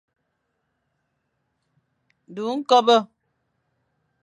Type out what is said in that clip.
Du ñkobe.